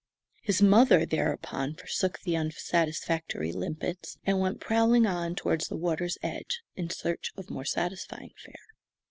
His mother thereupon forsook the unsatisfactory limpets, and went prowling on toward the water's edge in search of more satisfying fare.